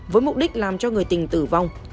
với mục đích làm cho người tình tử vong